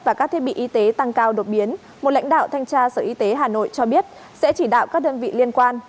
và các thiết bị y tế tăng cao đột biến một lãnh đạo thanh tra sở y tế hà nội cho biết sẽ chỉ đạo các đơn vị liên quan